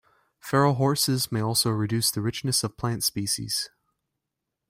Feral horses may also reduce the richness of plant species.